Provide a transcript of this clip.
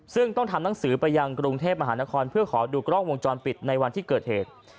ซึ่งต้องทำหนังสือไปยังกรุงเทพมหานครเพื่อขอดูกล้องวงจรปิดในวันที่เกิดเหตุ